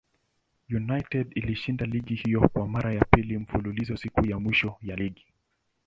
United ilishinda ligi hiyo kwa mara ya pili mfululizo siku ya mwisho ya ligi.